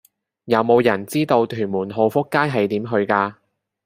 有無人知道屯門浩福街係點去㗎